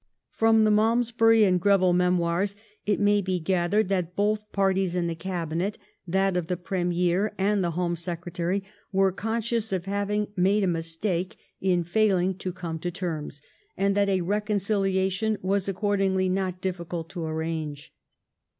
From the Malmesbury and Greville memoirs it may bd !gathered that both parties in the Cabinet, that of the Premier and the Home Secretary, were conscious of liaving made a mistake in failing to come to terms, and ithat a reconciliation was accordingly not difficult to arrange.